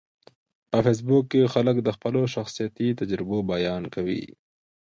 په فېسبوک کې خلک د خپلو شخصیتي تجربو بیان کوي